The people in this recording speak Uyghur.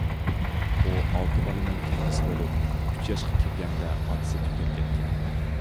ئۇ ئالتە بالىنىڭ كەنجىسى بولۇپ، ئۈچ ياشقا كىرگەندە ئاتىسى تۈگەپ كەتكەن.